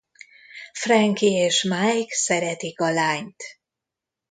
Frankie és Mike szeretik a lányt.